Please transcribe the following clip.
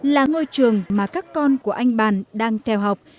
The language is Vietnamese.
là ngôi trường mà các con của anh bàn đang theo học